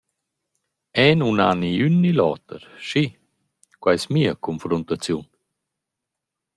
Eu nun ha ni ün ni l’oter… schi, quai es mia confruntaziun.